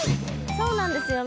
そうなんですよ。